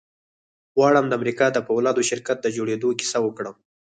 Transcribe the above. غواړم د امريکا د پولادو شرکت د جوړېدو کيسه وکړم.